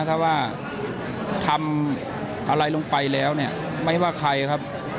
ถ้าว่าทำอะไรลงไปแล้วเนี่ยไม่ว่าใครครับ